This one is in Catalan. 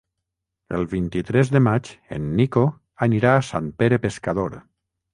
El vint-i-tres de maig en Nico anirà a Sant Pere Pescador.